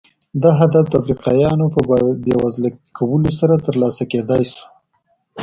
دا هدف د افریقایانو په بېوزله کولو سره ترلاسه کېدای شو.